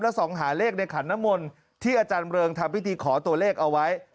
ส่องหาเลขในขันน้ำมนต์ที่อาจารย์เริงทำพิธีขอตัวเลขเอาไว้